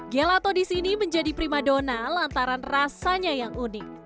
gelato disini menjadi primadona lantaran rasanya yang unik